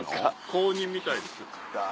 公認みたいです。